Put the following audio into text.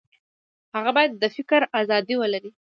هغه باید د فکر ازادي ولري.